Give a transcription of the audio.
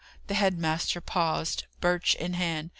The head master paused, birch in hand.